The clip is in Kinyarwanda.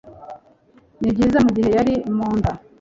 Nibyiza: mugihe yari moda